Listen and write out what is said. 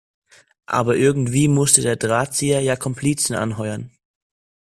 Aber irgendwie musste der Drahtzieher ja Komplizen anheuern.